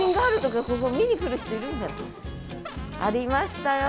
ありましたよ。